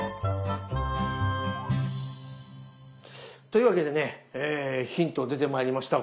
というわけでねヒント出てまいりました。